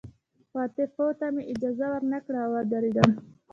خو عواطفو ته مې اجازه ور نه کړه او ودېردم